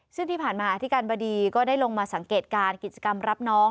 ซึ่งที่ผ่านมาอธิการบดีก็ได้ลงมาสังเกตการกิจกรรมรับน้อง